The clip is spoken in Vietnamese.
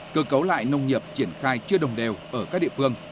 cơ cấu lại nông nghiệp triển khai chưa đồng đều ở các địa phương